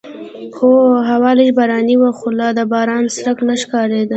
هوا لږه باراني وه خو لا د باران څرک نه ښکارېده.